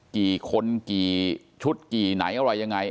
กี่คนกี่ชุดกี่ไหนอะไรยังไง